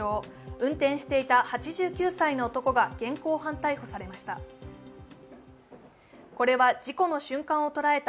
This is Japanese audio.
運転していた８９歳の男が現行犯逮捕されました。